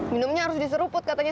minumnya harus diseruput katanya